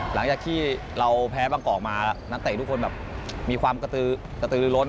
หลังจากที่เราแพ้บางกอกมานักเตะทุกคนแบบมีความกระตือล้น